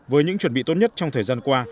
với những chuẩn bị tốt nhất trong thời gian qua